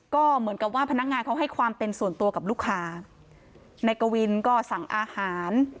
ก็เหมือนกับว่าพนักงานเขาให้ความเป็นส่วนตัวกับลูกค้านายกวินก็สั่งอาหาร